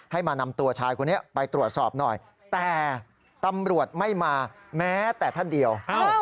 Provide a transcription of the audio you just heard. มานำตัวชายคนนี้ไปตรวจสอบหน่อยแต่ตำรวจไม่มาแม้แต่ท่านเดียว